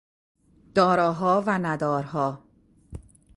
داراها و ندارها